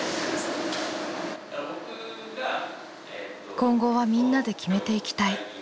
「今後はみんなで決めていきたい」。